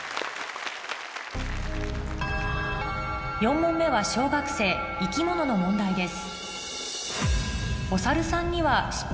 ４問目は小学生生き物の問題です